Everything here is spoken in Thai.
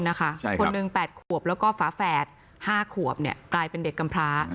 คนหนึ่ง๘ขวบแล้วก็ฝาแฝด๕ขวบกลายเป็นเด็กกำพร้า